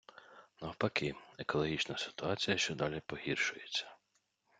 Навпаки — екологічна ситуація щодалі погіршується.